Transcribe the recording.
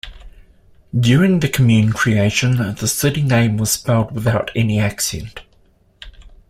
During the commune creation, the city name was spelled without any accent.